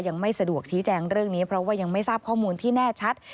ยังไม่สะดวกชี้แจงเรื่องนี้เพราะว่ายังไม่ทราบข้อมูลที่แน่ชัด